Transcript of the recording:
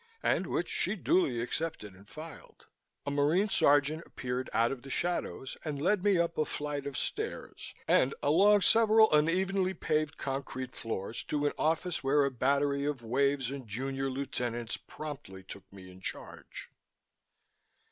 and which she duly accepted and filed. A Marine sergeant appeared out of the shadows and led me up a flight of stairs and along several unevenly paved concrete floors to an office where a battery of Waves and Junior Lieutenants promptly took me in charge.